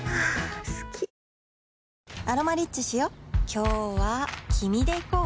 今日は君で行こう